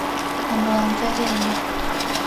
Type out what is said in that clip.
能不能再见一面？